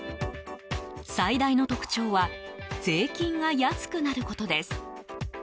最大の特徴は税金が安くなることです。